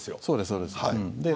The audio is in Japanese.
そうですそうです。